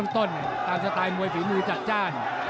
ต้นตามสไตล์มวยฝีมือจัดจ้าน